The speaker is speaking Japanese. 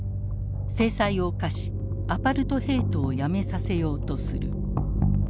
制裁を科しアパルトヘイトをやめさせようとする。